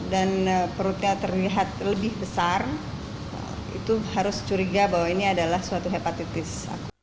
dan perutnya terlihat lebih besar itu harus curiga bahwa ini adalah suatu hepatitis